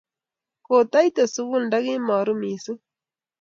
Kotaite sukul ndakimaru missing'